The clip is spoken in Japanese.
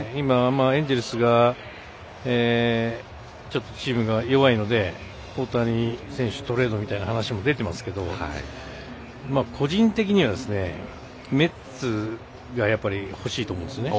エンジェルスがチームが弱いので大谷選手、トレードみたいな話も出ていますけど個人的には、メッツがやっぱり欲しいと思うんですね。